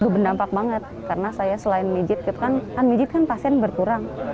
benampak banget karena saya selain mijit kan mijit kan pasien berkurang